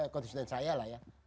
kontribusi dari saya lah ya